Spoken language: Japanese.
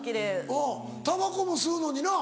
おうたばこも吸うのにな。